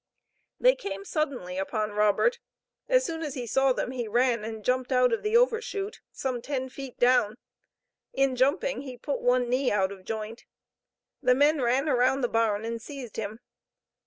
They came suddenly upon Robert; as soon as he saw them he ran and jumped out of the "overshoot," some ten feet down. In jumping, he put one knee out of joint. The men ran around the barn and seized him.